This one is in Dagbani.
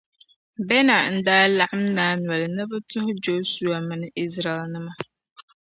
Bɛna n-daa laɣim naai noli ni bɛ tuhi Jɔshua mini Izraɛlnima.